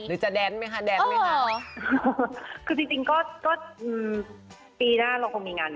หรือจะแดนไหมคะแดนไหมคะ